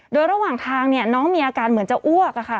โดยระหว่างทางน้องมีอาการเหมือนจะอ้วก